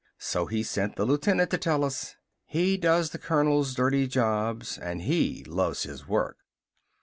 So he sent the lieutenant to tell us. He does the colonel's dirty jobs and he loves his work."